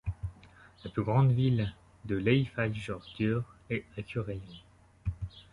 La plus grande ville de l'Eyjafjörður est Akureyri.